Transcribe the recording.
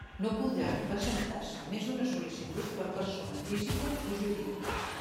No podrà presentar-se més d'una sol·licitud per persona física o jurídica.